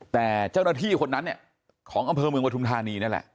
แต่เจ้าหน้าที่คนนั้นเนี่ยของอำเภอเมืองปฐุมธานีนี่แหละ